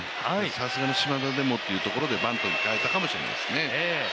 さすがに島田でもというところでバントに変えたかもしれないですね。